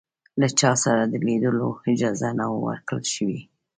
له چا سره د لیدلو اجازه نه وه ورکړل شوې.